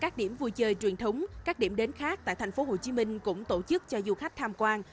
các điểm vui chơi truyền thống các điểm đến khác tại thành phố hồ chí minh cũng tổ chức cho du khách tham quan